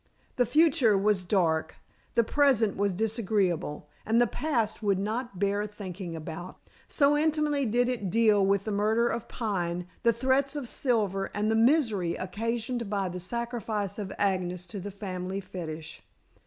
The future was dark, the present was disagreeable, and the past would not bear thinking about, so intimately did it deal with the murder of Pine, the threats of Silver, and the misery occasioned by the sacrifice of Agnes to the family fetish.